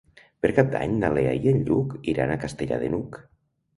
Per Cap d'Any na Lea i en Lluc iran a Castellar de n'Hug.